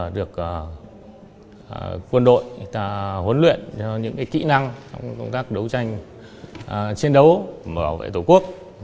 được quân đội huấn luyện thông tác đấu tranh chiến đấu bảo vệ tổ quốc